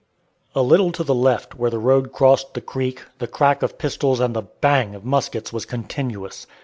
] A little to the left, where the road crossed the creek, the crack of pistols and the "bang" of muskets was continuous.